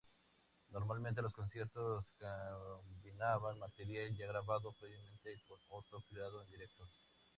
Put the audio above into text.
Normalmente, los conciertos combinan material ya grabado previamente con otro creado en directo.